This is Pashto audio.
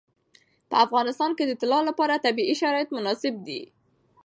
په افغانستان کې د طلا لپاره طبیعي شرایط مناسب دي.